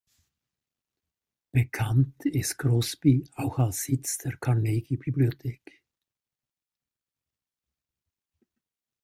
Bekannt ist Crosby auch als Sitz der Carnegie-Bibliothek.